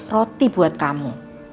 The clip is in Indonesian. roti buat kamu